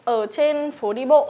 ở trên phố đi bộ